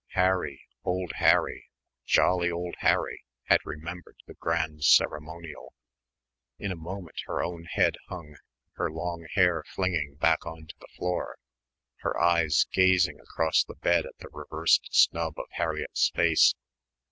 Harry, old Harry, jolly old Harry had remembered the Grand Ceremonial. In a moment her own head hung, her long hair flinging back on to the floor, her eyes gazing across under the bed at the reversed snub of Harriett's face.